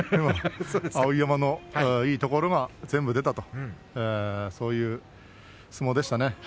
碧山のいいところが全部出たとそういう相撲でしたね。